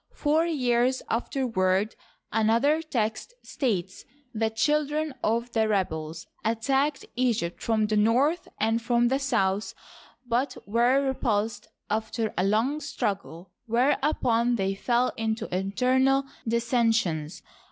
Four years after ward, another text states, "the children of the rebels" attacked Egpyt from the north and from the south, but were repulsea after a long struggle, whereupon they fell into internal dissensions.